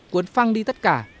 cuốn phăng đi tất cả